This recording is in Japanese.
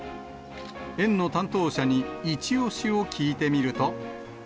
園の担当者に一押しを聞いてみると。